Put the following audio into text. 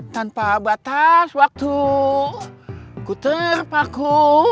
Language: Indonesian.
tanpa batas waktu ku terpaku